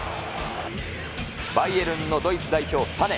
バイエルンのドイツ代表、サネ。